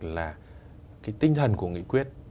là cái tinh thần của nghị quyết